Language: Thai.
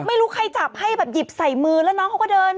ไม่รู้ใครจับให้แบบหยิบใส่มือแล้วน้องเขาก็เดิน